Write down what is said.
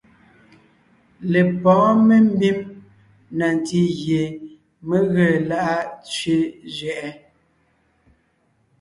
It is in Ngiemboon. Lepɔ̌ɔn membím na ntí gie mé ge lá’a tsẅé zẅɛʼɛ;